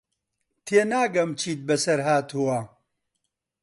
تێناگەم چیت بەسەر هاتووە.